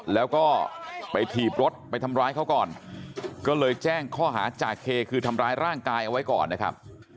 แล้วก็ไปถีบรถไปทำร้ายเขาก่อนก็เลยแจ้งข้อหาจ่าเคคือทำร้ายร่างกายเอาไว้ก่อนนะครับ